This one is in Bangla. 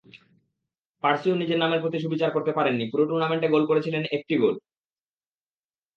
পার্সিও নিজের নামের প্রতি সুবিচার করতে পারেননি, পুরো টুর্নামেন্টে করেছিলেন একটি গোল।